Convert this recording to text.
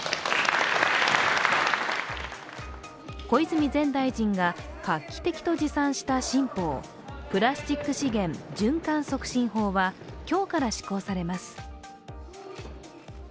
小泉前大臣が画期的と自賛した新法、プラスチック資源循環促進法は今日から施行されます。